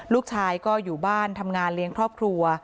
ลูกชายก็อยู่บ้านทำงานเลี้ยงครอบครัว